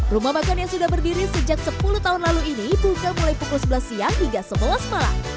rumah makan yang sudah berdiri sejak sepuluh tahun lalu ini buka mulai pukul sebelas siang hingga sebelas malam